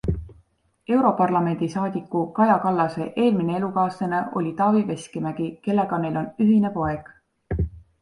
Europarlamendi saadiku Kaja Kallase eelmine elukaaslane oli Taavi Veskimägi, kellega neil on ühine poeg.